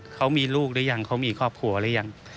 เขามีลูกหรือยังเขามีครอบครัวหรือยัง